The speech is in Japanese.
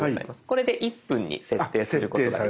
これで１分に設定することが。